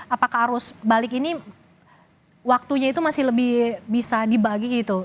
apakah arus balik ini waktunya itu masih lebih bisa dibagi gitu